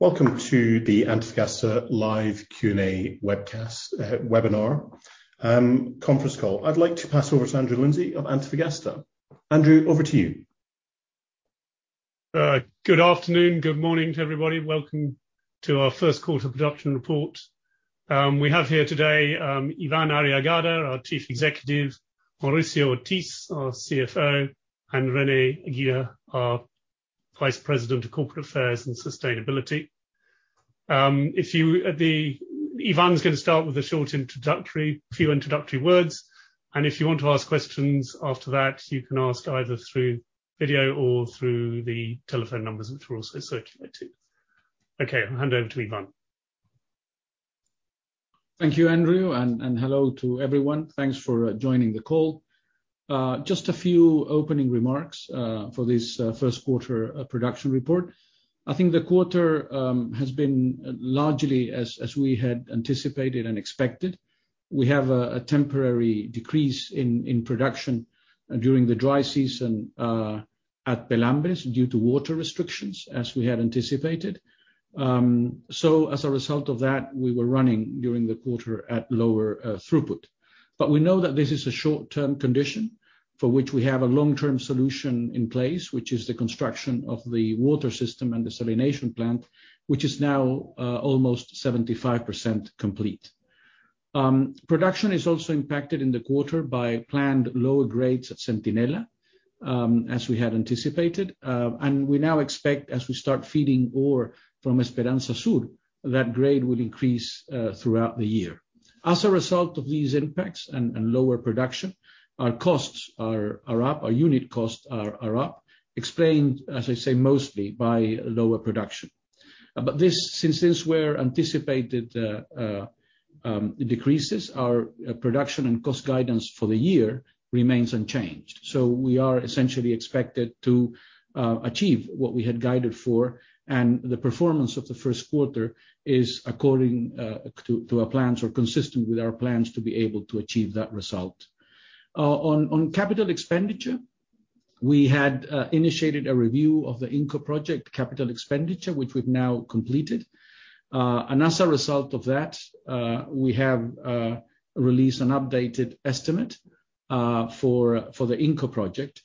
Welcome to the Antofagasta live Q&A webcast, webinar, conference call. I'd like to pass over to Andrew Lindsay of Antofagasta. Andrew, over to you. Good afternoon, good morning to everybody. Welcome to our first quarter production report. We have here today, Iván Arriagada, our Chief Executive, Mauricio Ortiz, our CFO, and René Aguilar, our Vice President of Corporate Affairs and Sustainability. If Iván's gonna start with a short introductory few words, and if you want to ask questions after that, you can ask either through video or through the telephone numbers, which we'll also circulate. Okay, I'll hand over to Iván. Thank you, Andrew, and hello to everyone. Thanks for joining the call. Just a few opening remarks for this first quarter production report. I think the quarter has been largely as we had anticipated and expected. We have a temporary decrease in production during the dry season at Los Pelambres due to water restrictions, as we had anticipated. As a result of that, we were running during the quarter at lower throughput. We know that this is a short-term condition for which we have a long-term solution in place, which is the construction of the water system and desalination plant, which is now almost 75% complete. Production is also impacted in the quarter by planned lower grades at Centinela, as we had anticipated. We now expect, as we start feeding ore from Esperanza Sur, that grade will increase throughout the year. As a result of these impacts and lower production, our costs are up, our unit costs are up, explained as I say mostly by lower production. This, since these were anticipated decreases, our production and cost guidance for the year remains unchanged. We are essentially expected to achieve what we had guided for, and the performance of the first quarter is according to our plans or consistent with our plans to be able to achieve that result. On capital expenditure, we had initiated a review of the INCO project capital expenditure, which we've now completed. As a result of that, we have released an updated estimate for the INCO project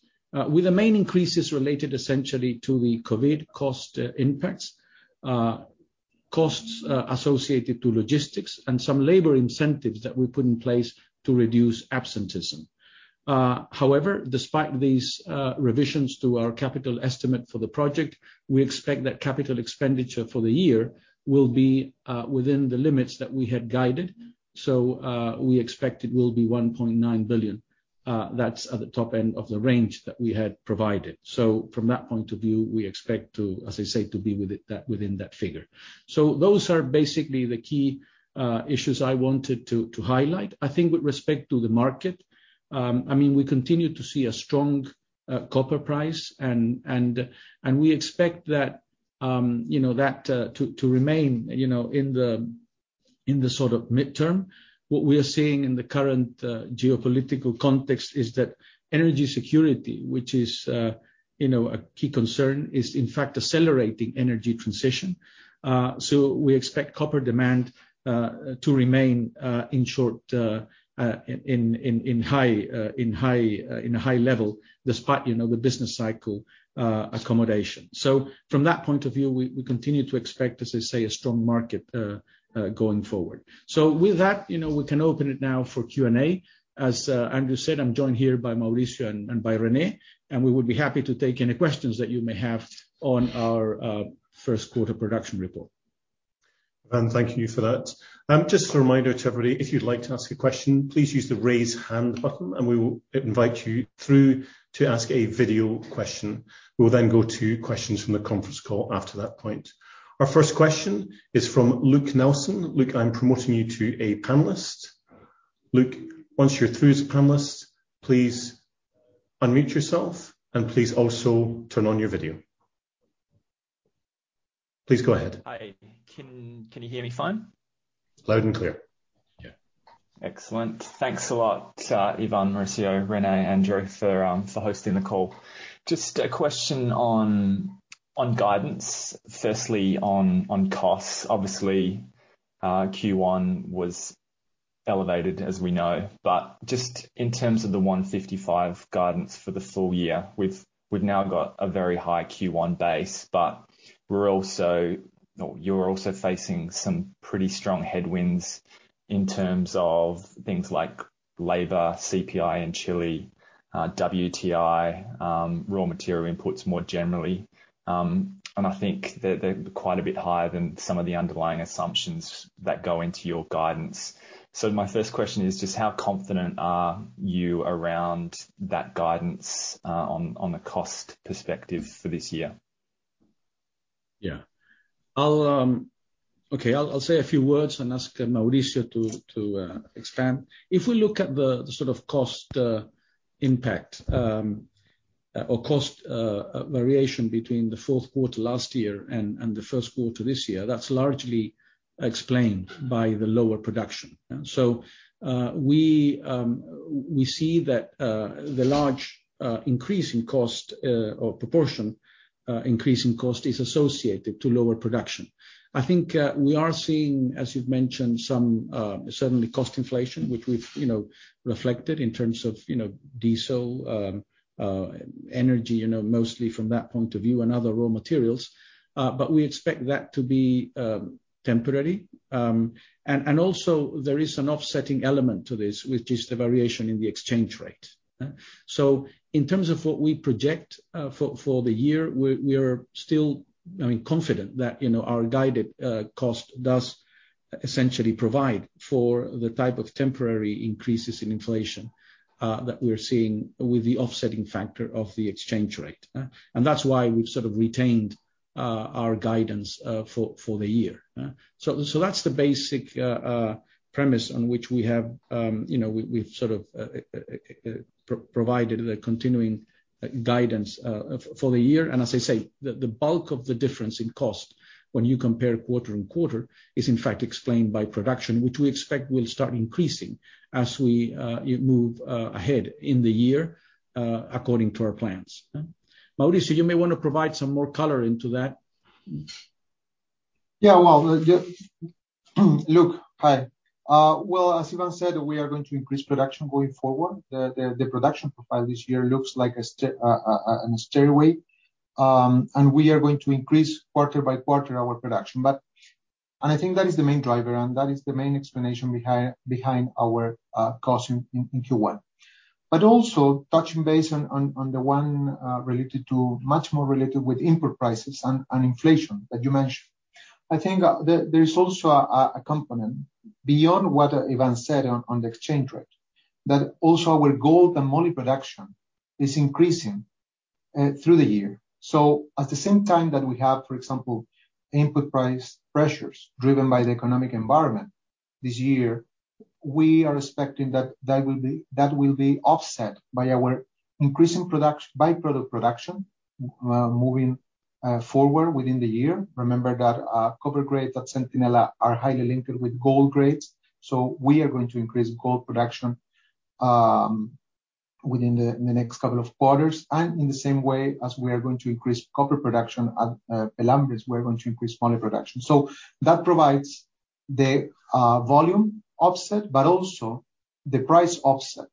with the main increases related essentially to the COVID cost impacts, costs associated to logistics and some labor incentives that we put in place to reduce absenteeism. However, despite these revisions to our capital estimate for the project, we expect that capital expenditure for the year will be within the limits that we had guided. We expect it will be $1.9 billion. That's at the top end of the range that we had provided. From that point of view, we expect to, as I said, be within that figure. Those are basically the key issues I wanted to highlight. I think with respect to the market, I mean, we continue to see a strong copper price and we expect that, you know, to remain, you know, in the sort of midterm. What we are seeing in the current geopolitical context is that energy security, which is, you know, a key concern, is in fact accelerating energy transition. We expect copper demand to remain, in short, in a high level despite, you know, the business cycle accommodation. From that point of view, we continue to expect, as I say, a strong market going forward. With that, you know, we can open it now for Q&A. As Andrew said, I'm joined here by Mauricio and by René, and we would be happy to take any questions that you may have on our first quarter production report. Thank you for that. Just a reminder to everybody, if you'd like to ask a question, please use the Raise Hand button and we will invite you through to ask a video question. We'll then go to questions from the conference call after that point. Our first question is from Luke Nelson. Luke, I'm promoting you to a panelist. Luke, once you're through as a panelist, please unmute yourself and please also turn on your video. Please go ahead. Hi. Can you hear me fine? Loud and clear. Yeah. Excellent. Thanks a lot, Iván, Mauricio, René, Andrew, for hosting the call. Just a question on guidance. Firstly, on costs. Obviously, Q1 was elevated, as we know, but just in terms of the $155 guidance for the full year, we've now got a very high Q1 base, but you're also facing some pretty strong headwinds in terms of things like labor, CPI in Chile, WTI, raw material inputs more generally. I think they're quite a bit higher than some of the underlying assumptions that go into your guidance. My first question is just how confident are you around that guidance, on the cost perspective for this year? I'll say a few words and ask Mauricio to expand. If we look at the sort of cost impact or cost variation between the fourth quarter last year and the first quarter this year, that's largely explained by the lower production. We see that the large increase in cost or proportion increase in cost is associated to lower production. I think we are seeing, as you've mentioned, some, certainly, cost inflation, which we've, you know, reflected in terms of, you know, diesel, energy, you know, mostly from that point of view and other raw materials. We expect that to be temporary. Also there is an offsetting element to this, which is the variation in the exchange rate. In terms of what we project for the year, we are still, I mean, confident that, you know, our guided cost does essentially provide for the type of temporary increases in inflation that we're seeing with the offsetting factor of the exchange rate. That's why we've sort of retained our guidance for the year. That's the basic premise on which we've sort of provided a continuing guidance for the year. As I say, the bulk of the difference in cost when you compare quarter-on-quarter is in fact explained by production, which we expect will start increasing as we move ahead in the year according to our plans. Mauricio, you may wanna provide some more color into that. Yeah. Well, Luke, hi. Well, as Iván said, we are going to increase production going forward. The production profile this year looks like a stairway. We are going to increase quarter by quarter our production. I think that is the main driver, and that is the main explanation behind our costs in Q1. Also touching base on the one much more related with input prices and inflation that you mentioned. I think there is also a component beyond what Iván said on the exchange rate, that also our gold and moly production is increasing through the year. At the same time that we have, for example, input price pressures driven by the economic environment this year, we are expecting that will be offset by our increasing product production moving forward within the year. Remember that copper grades at Centinela are highly linked with gold grades, so we are going to increase gold production within the next couple of quarters. In the same way as we are going to increase copper production at Los Pelambres, we're going to increase moly production. That provides the volume offset, but also the price offset.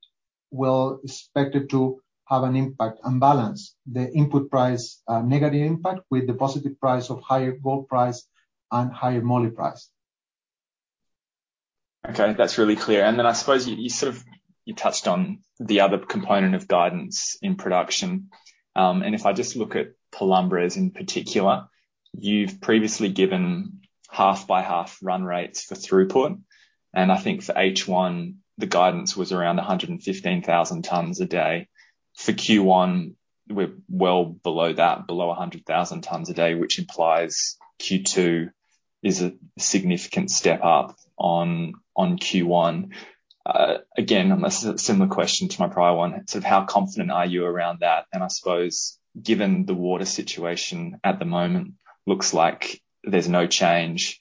We'll expect it to have an impact and balance the input price negative impact with the positive price of higher gold price and higher moly price. Okay, that's really clear. I suppose you sort of touched on the other component of guidance in production. If I just look at Los Pelambres in particular, you've previously given half-by-half run rates for throughput, and I think for H1 the guidance was around 115,000 tons a day. For Q1, we're well below that, below 100,000 tons a day, which implies Q2 is a significant step up on Q1. Again, a similar question to my prior one. Sort of how confident are you around that? I suppose given the water situation at the moment looks like there's no change,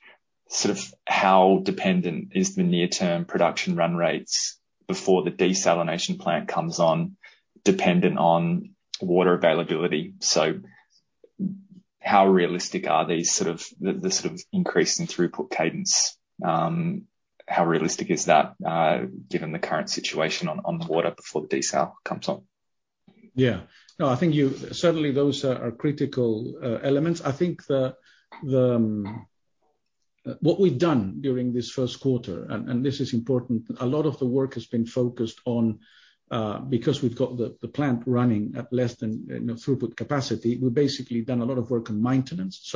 sort of how dependent is the near-term production run rates before the desalination plant comes on dependent on water availability? How realistic are these sort of increase in throughput cadence, how realistic is that, given the current situation on the water before the desal comes on? No, I think certainly those are critical elements. I think what we've done during this first quarter, and this is important, a lot of the work has been focused on, because we've got the plant running at less than you know throughput capacity, we've basically done a lot of work on maintenance.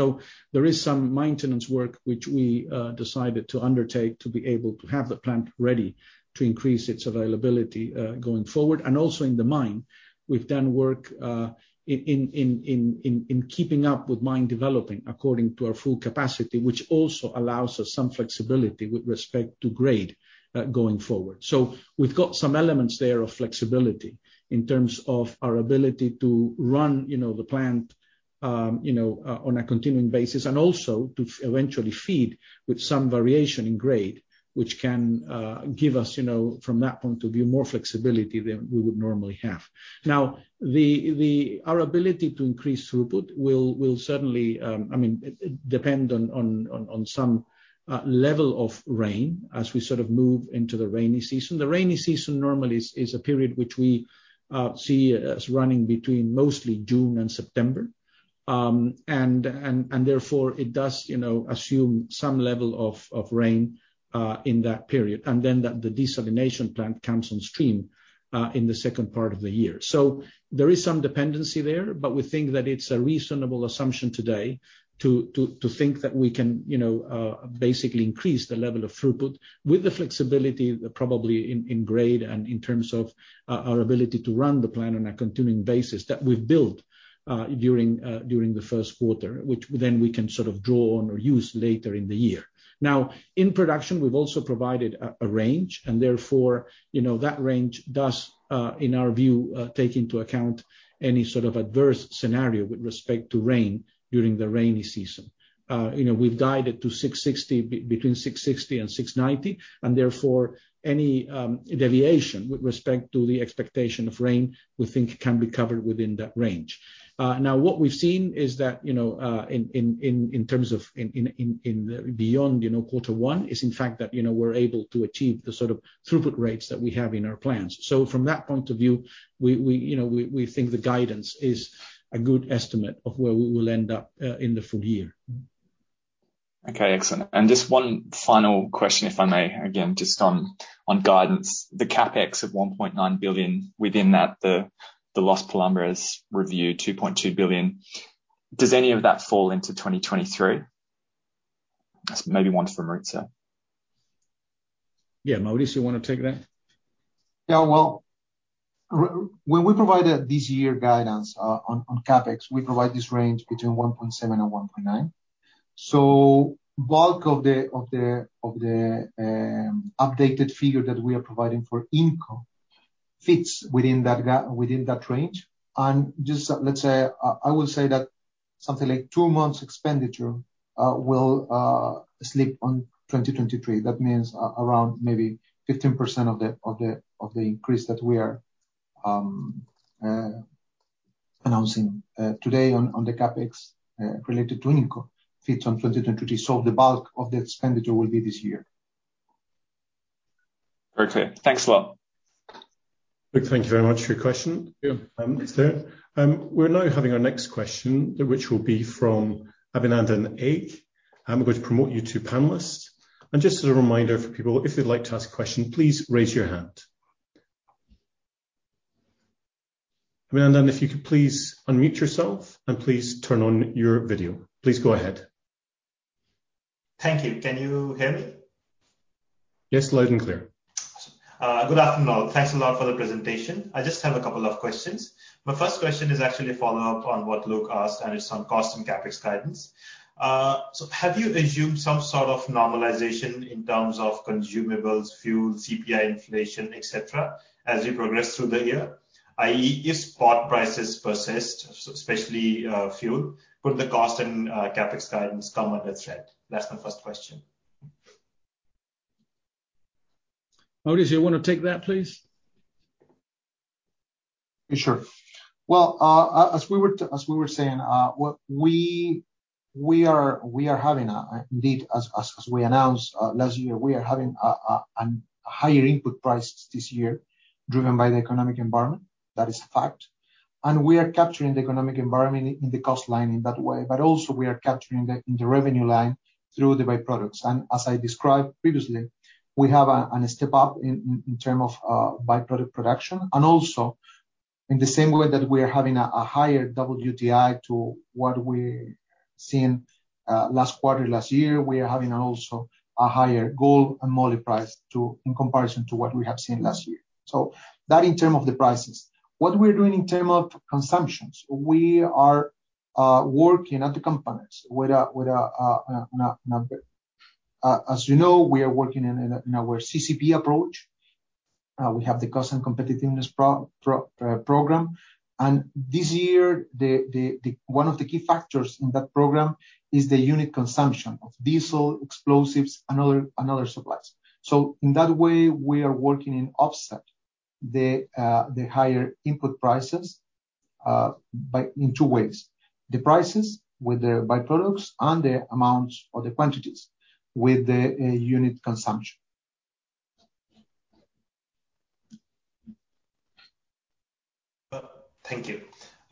There is some maintenance work which we decided to undertake to be able to have the plant ready to increase its availability going forward. Also in the mine, we've done work in keeping up with mine development according to our full capacity, which also allows us some flexibility with respect to grade going forward. We've got some elements there of flexibility in terms of our ability to run, you know, the plant, you know, on a continuing basis, and also to eventually feed with some variation in grade, which can give us, you know, from that point of view, more flexibility than we would normally have. Our ability to increase throughput will certainly, I mean, depend on some level of rain as we sort of move into the rainy season. The rainy season normally is a period which we see as running between mostly June and September. And therefore it does, you know, assume some level of rain in that period, and then the desalination plant comes on stream in the second part of the year. There is some dependency there, but we think that it's a reasonable assumption today to think that we can, you know, basically increase the level of throughput with the flexibility probably in grade and in terms of our ability to run the plant on a continuing basis that we've built during the first quarter, which then we can sort of draw on or use later in the year. Now, in production, we've also provided a range, and therefore, you know, that range does, in our view, take into account any sort of adverse scenario with respect to rain during the rainy season. You know, we've guided to between 660 and 690, and therefore any deviation with respect to the expectation of rain, we think can be covered within that range. Now what we've seen is that, you know, in terms of in the beyond quarter one, is in fact that, you know, we're able to achieve the sort of throughput rates that we have in our plans. From that point of view, we you know think the guidance is a good estimate of where we will end up in the full year. Okay, excellent. Just one final question, if I may. Again, just on guidance, the CapEx of $1.9 billion within that the Los Pelambres review $2.2 billion, does any of that fall into 2023? That's maybe one for Mauricio. Yeah. Mauricio, you wanna take that? Yeah. Well, when we provided this year guidance on CapEx, we provide this range between $1.7 and $1.9. Bulk of the updated figure that we are providing for INCO fits within that range. Just let's say I will say that something like two months expenditure will slip into 2023. That means around maybe 15% of the increase that we are announcing today on the CapEx related to INCO fits into 2023. The bulk of the expenditure will be this year. Very clear. Thanks a lot. Luke, thank you very much for your question. Yeah. We're now having our next question, which will be from Ephrem Ravi. I'm going to promote you to panelist. Just as a reminder for people, if you'd like to ask a question, please raise your hand. Ephrem Ravi, if you could please unmute yourself and please turn on your video. Please go ahead. Thank you. Can you hear me? Yes, loud and clear. Good afternoon all. Thanks a lot for the presentation. I just have a couple of questions. My first question is actually a follow-up on what Luke asked, and it's on cost and CapEx guidance. So have you assumed some sort of normalization in terms of consumables, fuel, CPI inflation, et cetera, as you progress through the year? i.e., if spot prices persist, especially fuel, could the cost and CapEx guidance come under threat? That's the first question. Mauricio, you wanna take that, please? Sure. Well, as we were saying, what we are having, indeed as we announced last year, we are having a higher input price this year driven by the economic environment. That is a fact. We are capturing the economic environment in the cost line in that way. Also we are capturing the revenue line through the byproducts. As I described previously, we have a step up in terms of byproduct production. Also in the same way that we are having a higher WTI to what we're seeing last year, we are having also a higher gold and moly price too, in comparison to what we have seen last year. That in terms of the prices. What we're doing in terms of consumptions, we are working at the components. As you know, we are working in our CCP approach. We have the Cost and Competitiveness Program. This year, one of the key factors in that program is the unit consumption of diesel, explosives and other supplies. In that way, we are working to offset the higher input prices, in two ways, the prices with the byproducts and the amounts or the quantities with the unit consumption. Thank you.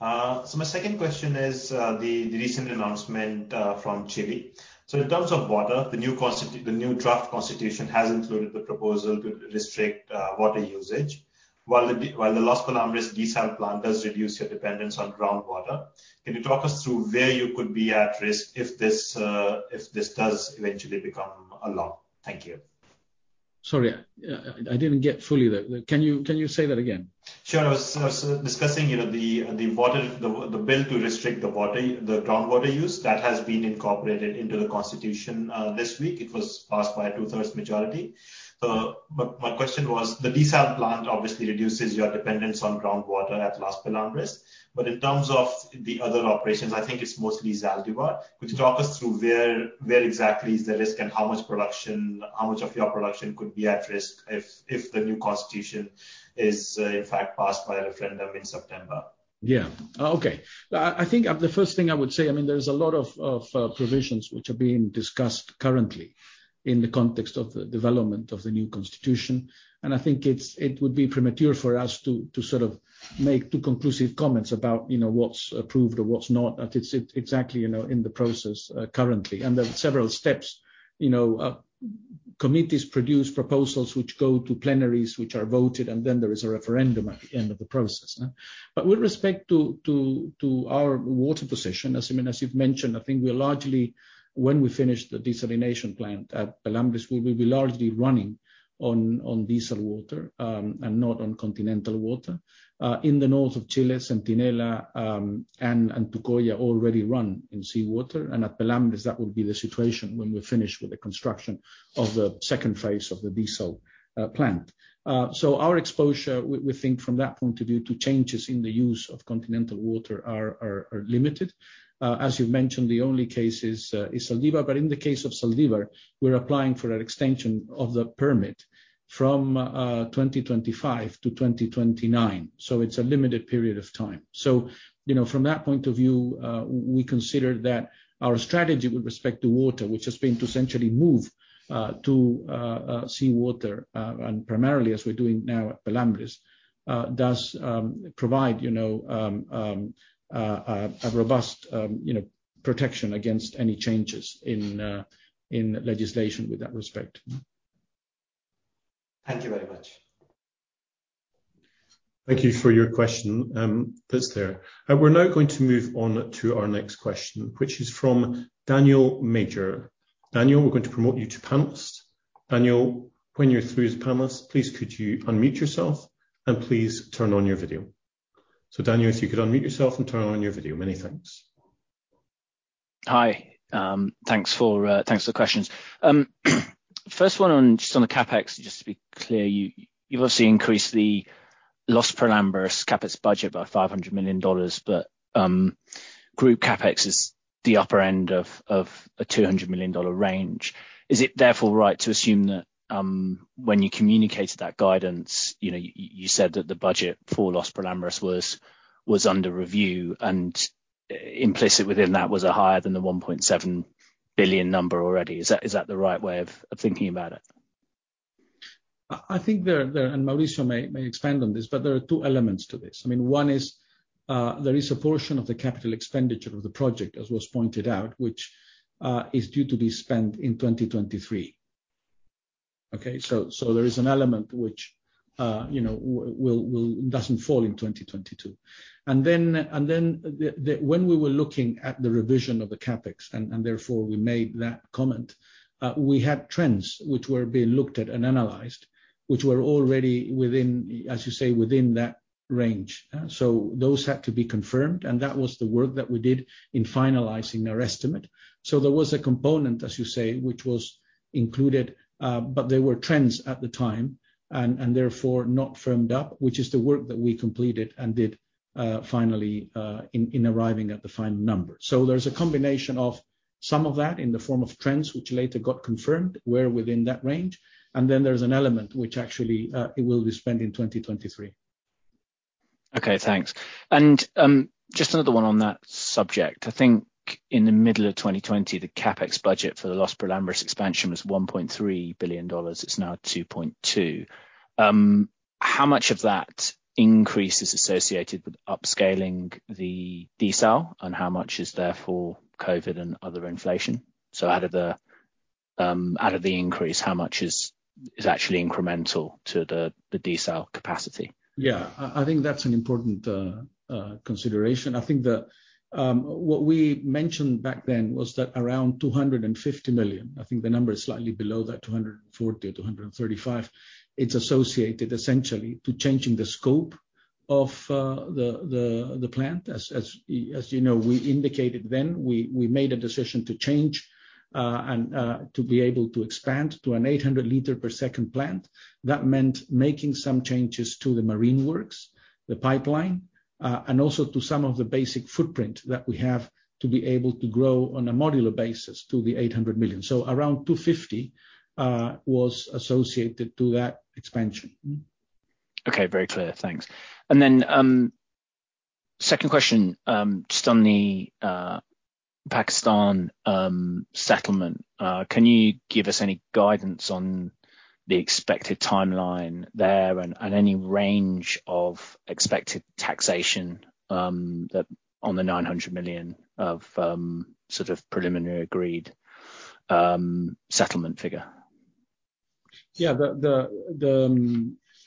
My second question is the recent announcement from Chile. In terms of water, the new draft constitution has included the proposal to restrict water usage. While the Los Pelambres desal plant does reduce your dependence on groundwater, can you talk us through where you could be at risk if this does eventually become a law? Thank you. Sorry, I didn't get fully that. Can you say that again? Sure. I was discussing, you know, the water, the bill to restrict the water, the groundwater use that has been incorporated into the Constitution this week. It was passed by a two-thirds majority. My question was, the desal plant obviously reduces your dependence on groundwater at Los Pelambres. In terms of the other operations, I think it's mostly Zaldívar. Could you talk us through where exactly is the risk and how much production, how much of your production could be at risk if the new constitution is, in fact, passed by a referendum in September? Yeah. Okay. I think the first thing I would say. I mean, there's a lot of provisions which are being discussed currently in the context of the development of the new Constitution. I think it would be premature for us to sort of make too conclusive comments about, you know, what's approved or what's not. It's exactly, you know, in the process currently. There are several steps. You know, committees produce proposals which go to plenaries, which are voted, and then there is a referendum at the end of the process. But with respect to our water position, as you've mentioned, I think we are largely, when we finish the desalination plant at Los Pelambres, we will be largely running on desal water and not on continental water. In the north of Chile, Centinela and Antucoya already run in seawater. At Pelambres, that will be the situation when we finish with the construction of the second phase of the desal plant. Our exposure, we think from that point of view to changes in the use of continental water are limited. As you've mentioned, the only case is Zaldívar. In the case of Zaldívar, we're applying for an extension of the permit from 2025 to 2029. It's a limited period of time. From that point of view, we consider that our strategy with respect to water, which has been to essentially move to seawater and primarily as we're doing now at Pelambres, does provide you know a robust you know protection against any changes in legislation in that respect. Thank you very much. Thank you for your question, that's there. We're now going to move on to our next question, which is from Daniel Major. Daniel, we're going to promote you to panelist. Daniel, when you're through to panelist, please could you unmute yourself, and please turn on your video. Daniel, if you could unmute yourself and turn on your video. Many thanks. Hi. Thanks for the questions. First one on, just on the CapEx, just to be clear, you've obviously increased the Los Pelambres CapEx budget by $500 million, but group CapEx is the upper end of a $200 million range. Is it therefore right to assume that, when you communicated that guidance, you know, you said that the budget for Los Pelambres was under review, and implicit within that was a higher than the $1.7 billion number already. Is that the right way of thinking about it? I think Mauricio may expand on this, but there are two elements to this. I mean, one is there is a portion of the capital expenditure of the project, as was pointed out, which is due to be spent in 2023. Okay. There is an element which you know doesn't fall in 2022. When we were looking at the revision of the CapEx and therefore we made that comment, we had trends which were being looked at and analyzed, which were already within, as you say, within that range. Those had to be confirmed, and that was the work that we did in finalizing our estimate. There was a component, as you say, which was included, but there were trends at the time, and therefore not firmed up, which is the work that we completed and did, finally, in arriving at the final number. There's a combination of some of that in the form of trends, which later got confirmed, were within that range, and then there's an element which actually, it will be spent in 2023. Okay, thanks. Just another one on that subject. I think in the middle of 2020, the CapEx budget for the Los Pelambres expansion was $1.3 billion. It's now $2.2 billion. How much of that increase is associated with upscaling the desal, and how much is therefore COVID and other inflation? Out of the increase, how much is actually incremental to the desal capacity? Yeah. I think that's an important consideration. I think what we mentioned back then was that around $250 million, I think the number is slightly below that, $240 or $235. It's associated essentially to changing the scope of the plant. As you know, we indicated then we made a decision to change and to be able to expand to an 800 l per second plant. That meant making some changes to the marine works, the pipeline, and also to some of the basic footprint that we have to be able to grow on a modular basis to the 800 million. So around $250 was associated to that expansion. Okay. Very clear. Thanks. Then, second question, just on the Pakistan settlement. Can you give us any guidance on the expected timeline there and any range of expected taxation that on the $900 million sort of preliminary agreed settlement figure? Yeah.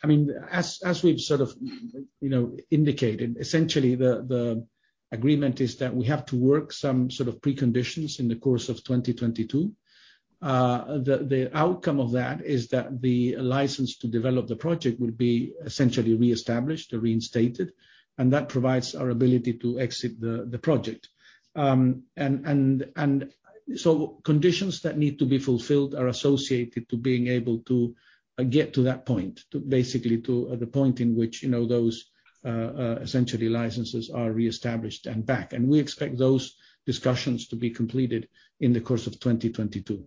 I mean, as we've sort of, you know, indicated, essentially the agreement is that we have to work some sort of preconditions in the course of 2022. The outcome of that is that the license to develop the project will be essentially reestablished or reinstated, and that provides our ability to exit the project. And so conditions that need to be fulfilled are associated to being able to get to that point, to basically the point in which, you know, those essentially licenses are reestablished and back. We expect those discussions to be completed in the course of 2022.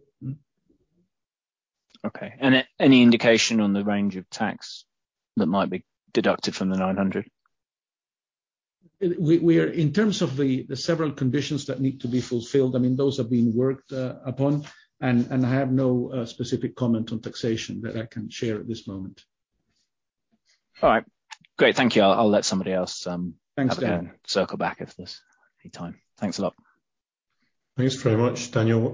Okay. Any indication on the range of tax that might be deducted from the $900? We are in terms of the several conditions that need to be fulfilled. I mean, those are being worked upon, and I have no specific comment on taxation that I can share at this moment. All right. Great. Thank you. I'll let somebody else. Thanks, Daniel. Circle back if there's any time. Thanks a lot. Thanks very much, Daniel.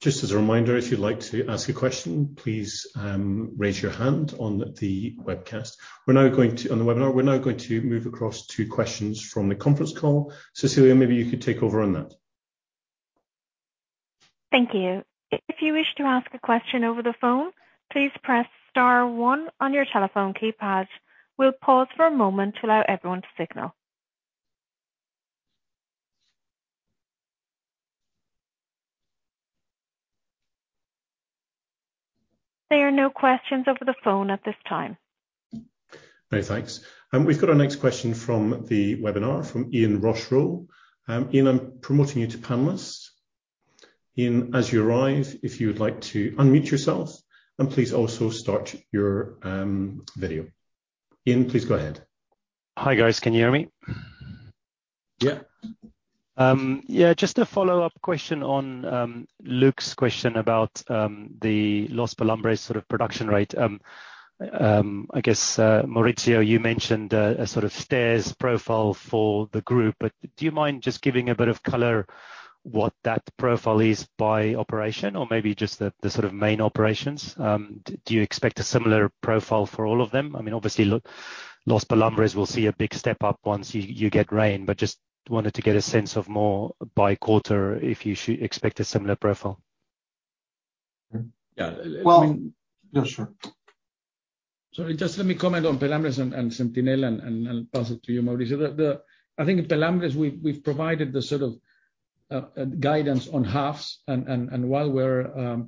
Just as a reminder, if you'd like to ask a question, please raise your hand on the webcast. We're now going to move across to questions from the conference call. Cecilia, maybe you could take over on that. Thank you. If you wish to ask a question over the phone, please press Star One on your telephone keypad. We'll pause for a moment to allow everyone to signal. There are no questions over the phone at this time. No, thanks. We've got our next question from the webinar from Ian Rossouw. Ian, I'm promoting you to panelist. Ian, as you arrive, if you would like to unmute yourself, and please also start your video. Ian, please go ahead. Hi, guys. Can you hear me? Yeah. Yeah, just a follow-up question on Luke's question about the Los Pelambres sort of production rate. I guess, Mauricio, you mentioned a sort of stairs profile for the group, but do you mind just giving a bit of color what that profile is by operation or maybe just the sort of main operations? Do you expect a similar profile for all of them? I mean, obviously Los Pelambres will see a big step up once you get rain, but just wanted to get a sense of more by quarter if you expect a similar profile. Yeah. Well- I mean. Yeah, sure. Sorry, just let me comment on Los Pelambres and Centinela and I'll pass it to you, Mauricio. I think at Los Pelambres we've provided the sort of guidance on halves and while we're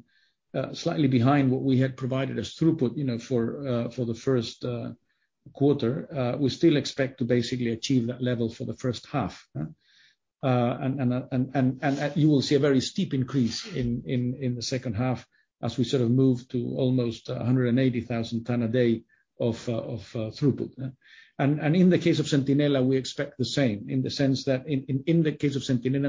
slightly behind what we had provided as throughput, you know, for the first quarter, we still expect to basically achieve that level for the first half. You will see a very steep increase in the second half as we sort of move to almost 180,000 tons a day of throughput. In the case of Centinela, we expect the same in the sense that,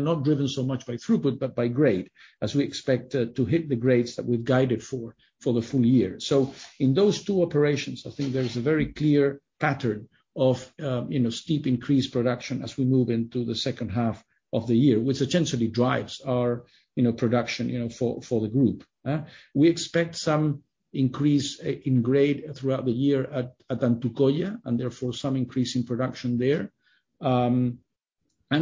not driven so much by throughput, but by grade, as we expect to hit the grades that we've guided for the full year. In those two operations, I think there is a very clear pattern of you know, steep increased production as we move into the second half of the year, which essentially drives our you know, production you know, for the group. We expect some increase in grade throughout the year at Antucoya, and therefore some increase in production there.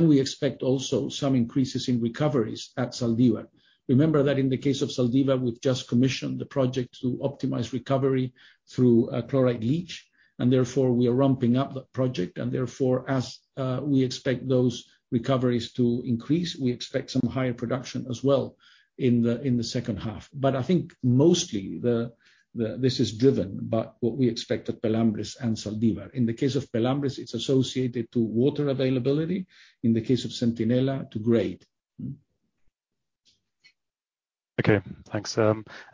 We expect also some increases in recoveries at Zaldívar. Remember that in the case of Zaldívar, we've just commissioned the project to optimize recovery through a chloride leach, and therefore we are ramping up that project, and therefore as we expect those recoveries to increase, we expect some higher production as well in the second half. I think mostly this is driven by what we expect at Los Pelambres and Zaldívar. In the case of Los Pelambres, it's associated to water availability. In the case of Centinela, to grade. Okay, thanks.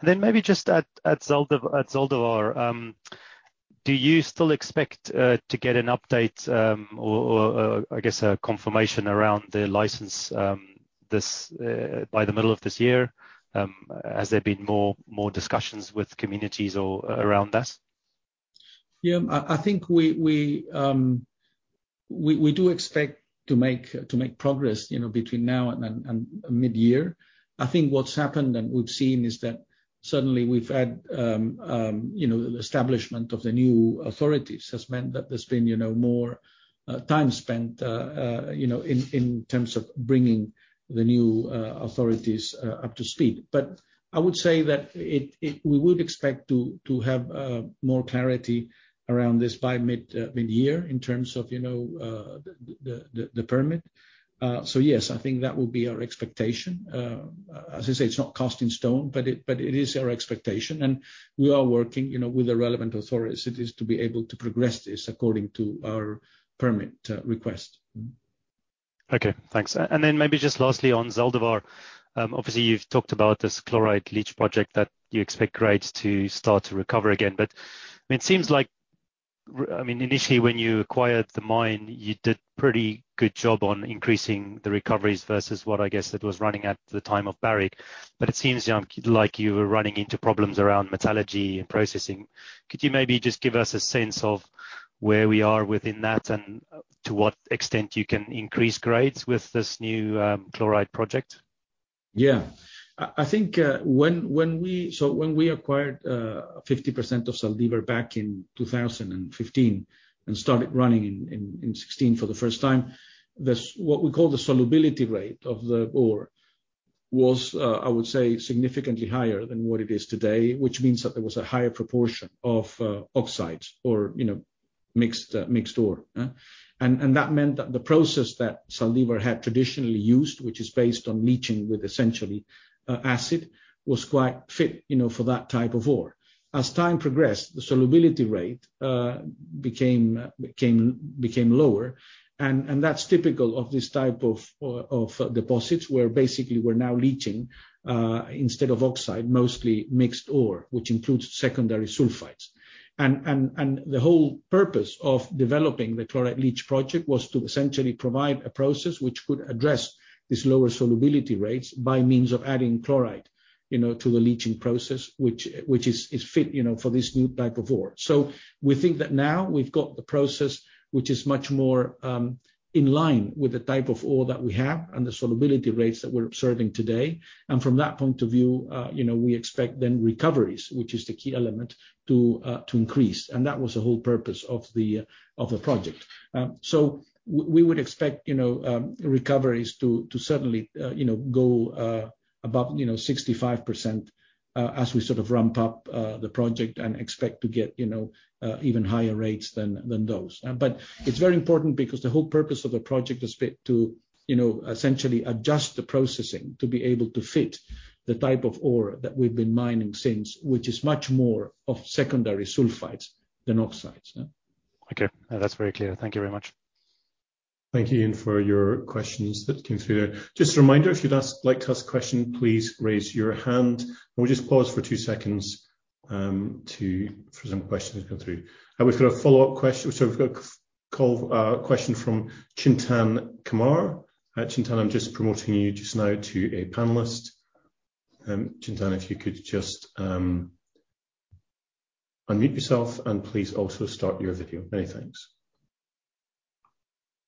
Maybe just at Zaldívar, do you still expect to get an update or I guess a confirmation around the license by the middle of this year? Has there been more discussions with communities or around that? Yeah. I think we do expect to make progress, you know, between now and mid-year. I think what's happened and we've seen is that suddenly we've had, you know, establishment of the new authorities has meant that there's been, you know, more, you know, in terms of bringing the new authorities up to speed. I would say that we would expect to have more clarity around this by mid-year in terms of, you know, the permit. Yes, I think that would be our expectation. As I say, it's not cast in stone, but it is our expectation and we are working, you know, with the relevant authorities to be able to progress this according to our permit request. Okay, thanks. Then maybe just lastly on Zaldívar, obviously you've talked about this chloride leach project that you expect grades to start to recover again, but I mean, it seems like I mean, initially when you acquired the mine, you did pretty good job on increasing the recoveries versus what I guess it was running at the time of Barrick. It seems like you were running into problems around metallurgy and processing. Could you maybe just give us a sense of where we are within that and to what extent you can increase grades with this new chloride project? I think when we acquired 50% of Zaldívar back in 2015 and started running in 2016 for the first time, this, what we call the solubility rate of the ore was, I would say, significantly higher than what it is today, which means that there was a higher proportion of oxides or, you know, mixed ore. And that meant that the process that Zaldívar had traditionally used, which is based on leaching with essentially acid, was quite fit, you know, for that type of ore. As time progressed, the solubility rate became lower and that's typical of this type of of deposits, where basically we're now leaching instead of oxide, mostly mixed ore, which includes secondary sulfides. The whole purpose of developing the chloride leach project was to essentially provide a process which could address these lower solubility rates by means of adding chloride, you know, to the leaching process, which is fit, you know, for this new type of ore. We think that now we've got the process which is much more in line with the type of ore that we have and the solubility rates that we're observing today. From that point of view, you know, we expect then recoveries, which is the key element to increase. That was the whole purpose of the project. We would expect, you know, recoveries to certainly, you know, go above, you know, 65%, as we sort of ramp up the project and expect to get, you know, even higher rates than those. But it's very important because the whole purpose of the project is to fit, you know, essentially adjust the processing to be able to fit the type of ore that we've been mining since, which is much more of secondary sulfides than oxides. Okay. That's very clear. Thank you very much. Thank you, Ian, for your questions that came through. Just a reminder, if you'd like to ask a question, please raise your hand. We'll just pause for two seconds to wait for some questions to come through. We've got a follow-up question. We've got a call-in question from Chintan Kumar. Chintan, I'm just promoting you just now to a panelist. Chintan, if you could just unmute yourself and please also start your video. Many thanks.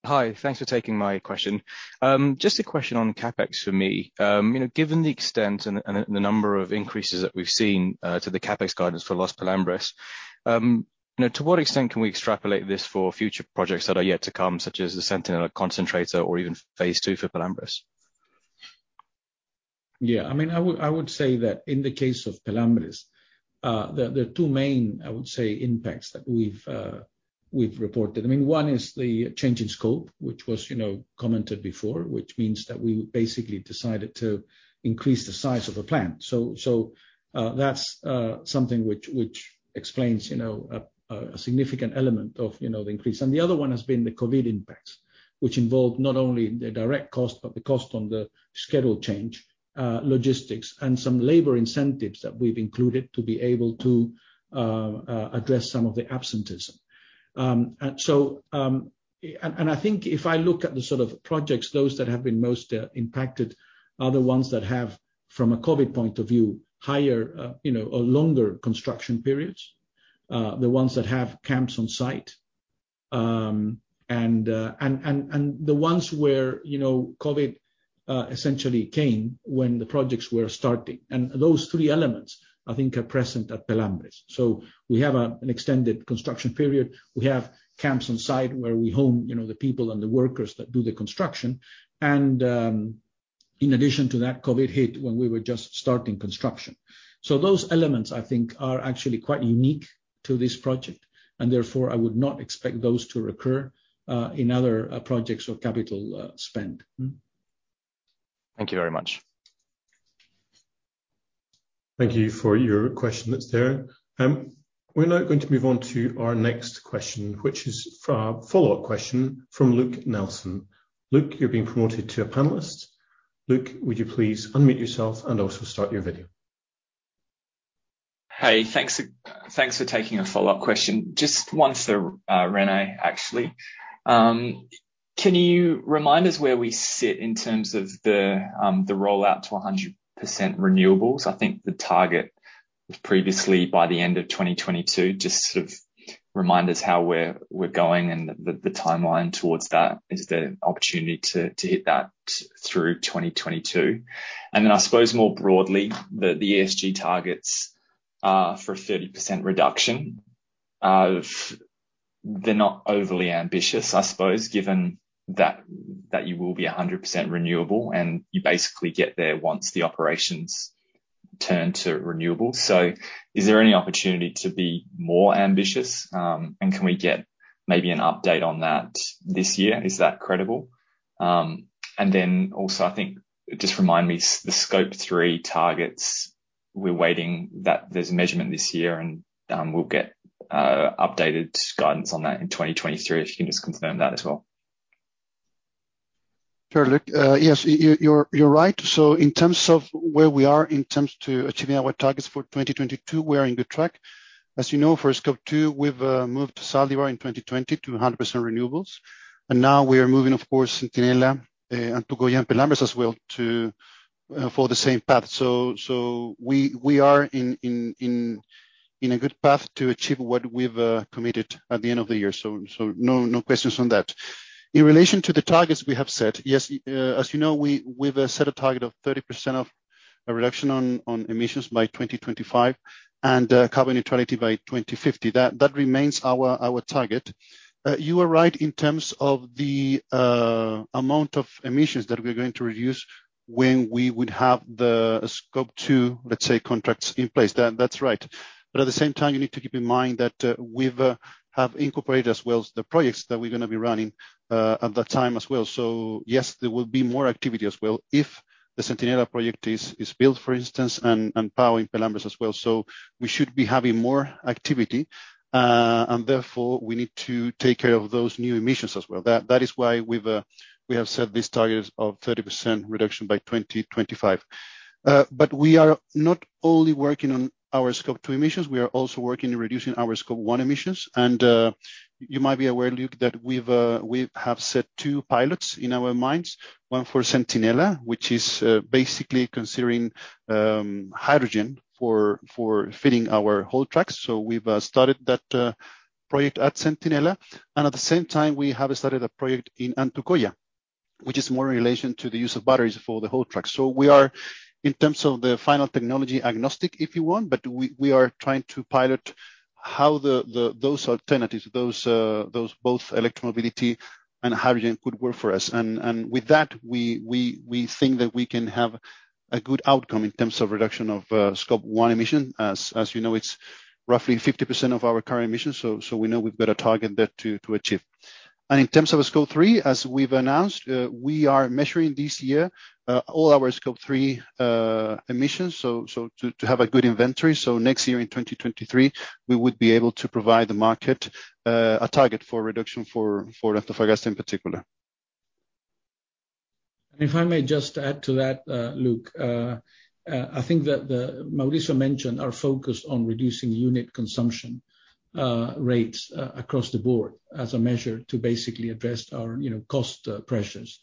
Hi. Thanks for taking my question. Just a question on CapEx for me. You know, given the extent and the number of increases that we've seen to the CapEx guidance for Los Pelambres, you know, to what extent can we extrapolate this for future projects that are yet to come, such as the Centinela concentrator or even phase two for Los Pelambres? Yeah. I mean, I would say that in the case of Los Pelambres, there are two main, I would say, impacts that we've reported. I mean, one is the change in scope, which was, you know, commented before, which means that we basically decided to increase the size of the plant. That's something which explains, you know, a significant element of, you know, the increase. The other one has been the COVID impacts, which involved not only the direct cost, but the cost on the schedule change, logistics and some labor incentives that we've included to be able to address some of the absenteeism. I think if I look at the sort of projects, those that have been most impacted are the ones that have, from a COVID point of view, higher, you know, or longer construction periods. The ones that have camps on site, and the ones where, you know, COVID essentially came when the projects were starting. Those three elements, I think are present at Pelambres. We have an extended construction period. We have camps on site where we house, you know, the people and the workers that do the construction. In addition to that, COVID hit when we were just starting construction. Those elements, I think, are actually quite unique to this project, and therefore, I would not expect those to recur in other projects of capital spend. Thank you very much. Thank you for your question that's there. We're now going to move on to our next question, which is a follow-up question from Luke Nelson. Luke, you're being promoted to a panelist. Luke, would you please unmute yourself and also start your video. Hey, thanks. Thanks for taking a follow-up question. Just one, sir, René, actually. Can you remind us where we sit in terms of the rollout to 100% renewables? I think the target was previously by the end of 2022. Just sort of remind us how we're going and the timeline towards that. Is there opportunity to hit that through 2022? And then I suppose more broadly, the ESG targets for a 30% reduction of... They're not overly ambitious, I suppose, given that you will be 100% renewable, and you basically get there once the operations turn to renewables. So is there any opportunity to be more ambitious? And can we get maybe an update on that this year? Is that credible? I think just remind me the Scope 3 targets. We're waiting that there's a measurement this year and we'll get updated guidance on that in 2023, if you can just confirm that as well. Sure, Luke. Yes, you're right. In terms of where we are in terms of achieving our targets for 2022, we are on good track. As you know, for Scope 2, we've moved Zaldívar in 2020 to 100% renewables. Now we are moving, of course, Centinela, Antucoya and Pelambres as well to for the same path. We are on a good path to achieve what we've committed at the end of the year. No questions on that. In relation to the targets we have set, yes, as you know, we've set a target of 30% reduction on emissions by 2025 and carbon neutrality by 2050. That remains our target. You are right in terms of the amount of emissions that we're going to reduce when we would have the Scope 2, let's say, contracts in place. That's right. At the same time, you need to keep in mind that we have incorporated as well the projects that we're gonna be running at that time as well. Yes, there will be more activity as well if the Centinela project is built, for instance, and powering Los Pelambres as well. We should be having more activity, and therefore we need to take care of those new emissions as well. That is why we have set this target of 30% reduction by 2025. We are not only working on our Scope 2 emissions, we are also working on reducing our Scope 1 emissions. You might be aware, Luke, that we have set two pilots in our mines, one for Centinela, which is basically considering hydrogen for feeding our haul trucks. We've started that project at Centinela. At the same time, we have started a project in Antucoya, which is more in relation to the use of batteries for the haul truck. We are, in terms of the final technology, agnostic, if you want, but we are trying to pilot how those alternatives, those both electromobility and hydrogen could work for us. With that, we think that we can have a good outcome in terms of reduction of Scope 1 emissions. As you know, it's roughly 50% of our current emissions, so we know we've got a target there to achieve. In terms of Scope 3, as we've announced, we are measuring this year all our Scope 3 emissions, so to have a good inventory. Next year in 2023, we would be able to provide the market a target for reduction for Antofagasta in particular. If I may just add to that, Luke, I think that Mauricio mentioned our focus on reducing unit consumption rates across the board as a measure to basically address our you know cost pressures.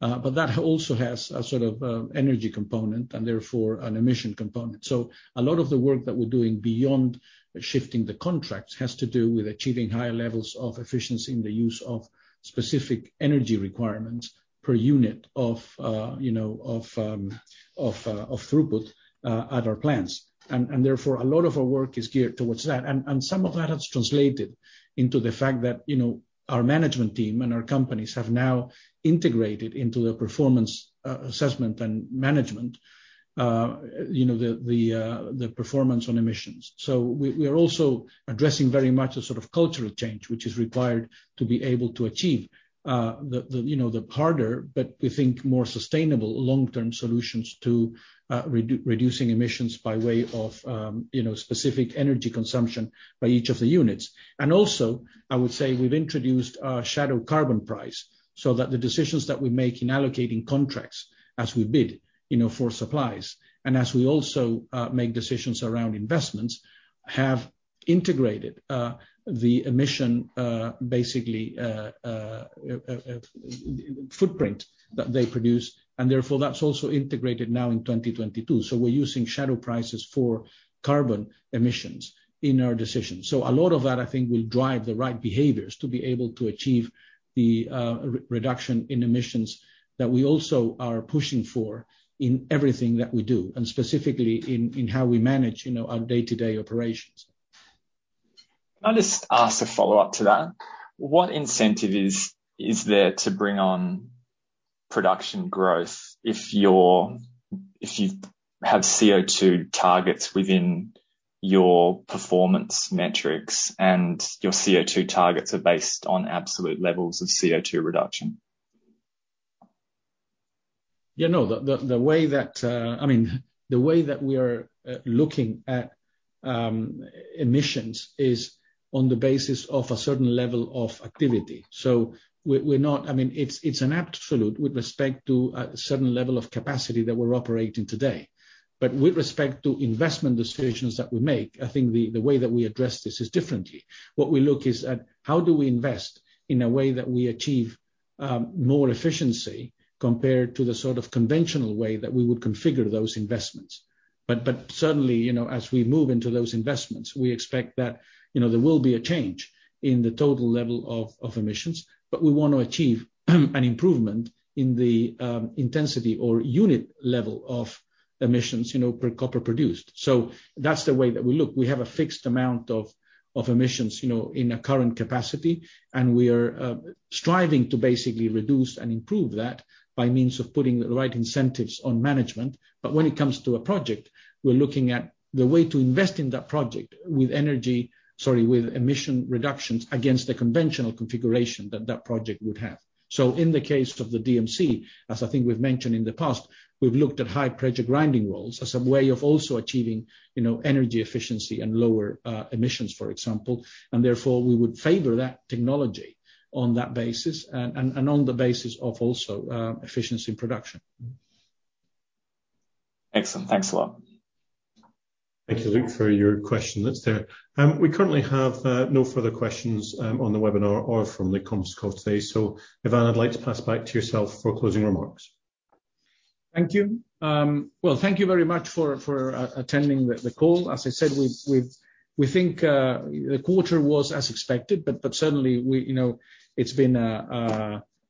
That also has a sort of energy component and therefore an emission component. A lot of the work that we're doing beyond shifting the contracts has to do with achieving higher levels of efficiency in the use of specific energy requirements per unit of you know throughput at our plants. Therefore, a lot of our work is geared towards that. Some of that has translated into the fact that, you know, our management team and our companies have now integrated into their performance, assessment and management, you know, the performance on emissions. We are also addressing very much a sort of cultural change, which is required to be able to achieve, you know, the harder, but we think more sustainable long-term solutions to reducing emissions by way of, you know, specific energy consumption by each of the units. I would say we've introduced a shadow carbon price so that the decisions that we make in allocating contracts as we bid, you know, for supplies and as we also make decisions around investments, have integrated the emission basically footprint that they produce. Therefore that's also integrated now in 2022. We're using shadow carbon price in our decisions. A lot of that, I think, will drive the right behaviors to be able to achieve the reduction in emissions that we also are pushing for in everything that we do and specifically in how we manage, you know, our day-to-day operations. Can I just ask a follow-up to that? What incentive is there to bring on production growth if you have CO2 targets within your performance metrics and your CO2 targets are based on absolute levels of CO2 reduction? You know, the way that we are looking at emissions is on the basis of a certain level of activity. I mean, it's an absolute with respect to a certain level of capacity that we're operating today. With respect to investment decisions that we make, I think the way that we address this is different. What we look at is how we invest in a way that we achieve more efficiency compared to the sort of conventional way that we would configure those investments. Certainly, you know, as we move into those investments, we expect that, you know, there will be a change in the total level of emissions, but we want to achieve an improvement in the intensity or unit level of emissions, you know, per copper produced. That's the way that we look. We have a fixed amount of emissions, you know, in a current capacity, and we are striving to basically reduce and improve that by means of putting the right incentives on management. When it comes to a project, we're looking at the way to invest in that project with energy, sorry, with emission reductions against the conventional configuration that that project would have. In the case of the DMC, as I think we've mentioned in the past, we've looked at high-pressure grinding rolls as some way of also achieving, you know, energy efficiency and lower emissions, for example. Therefore, we would favor that technology on that basis and on the basis of also efficiency in production. Excellent. Thanks a lot. Thank you, Luke, for your question that's there. We currently have no further questions on the webinar or from the comms call today. Iván, I'd like to pass back to yourself for closing remarks. Thank you. Well, thank you very much for attending the call. As I said, we think the quarter was as expected, but certainly we, you know, it's been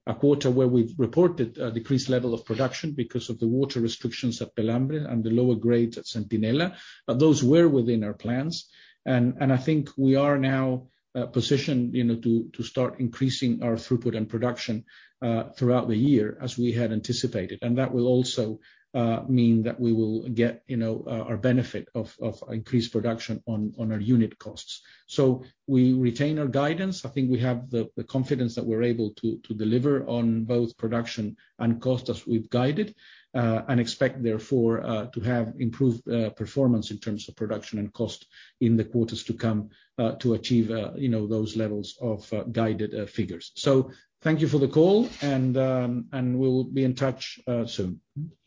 a quarter where we've reported a decreased level of production because of the water restrictions at Los Pelambres and the lower grades at Centinela. Those were within our plans. I think we are now positioned, you know, to start increasing our throughput and production throughout the year as we had anticipated. That will also mean that we will get, you know, our benefit of increased production on our unit costs. We retain our guidance. I think we have the confidence that we're able to deliver on both production and cost as we've guided, and expect therefore to have improved performance in terms of production and cost in the quarters to come to achieve, you know, those levels of guided figures. Thank you for the call, and we'll be in touch soon.